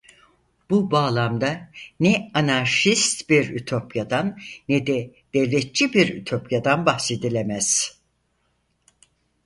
Bu bağlamda ne anarşist bir ütopyadan ne de devletçi bir ütopyadan bahsedilemez.